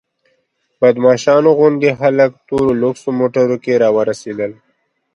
بدماشانو غوندې خلک تورو لوکسو موټرو کې راورسېدل.